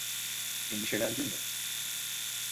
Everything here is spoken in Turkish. Endişelendin mi?